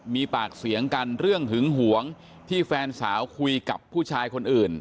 มีปากเสียงกันเรื่องหึงหวงที่แฟนสาวคุยกับผู้ชายคนอื่น